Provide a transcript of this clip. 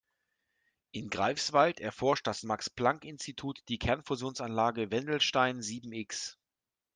In Greifswald erforscht das Max-Planck-Institut die Kernfusionsanlage Wendelstein sieben-X.